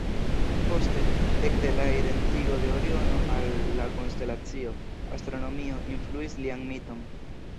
Poste, ekde la identigo de Oriono al la konstelacio, astronomio influis lian miton.